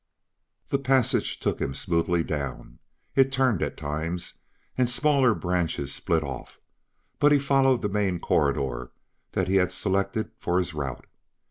The passage took him smoothly down. It turned at times, and smaller branches split off, but he followed the main corridor that he had selected for his route.